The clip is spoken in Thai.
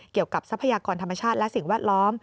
ทรัพยากรธรรมชาติและสิ่งแวดล้อม